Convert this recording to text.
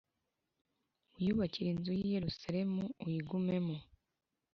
Wiyubakire inzu i Yerusalemu uyigumemo